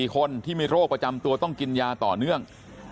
คนที่มีโรคประจำตัวต้องกินยาต่อเนื่อง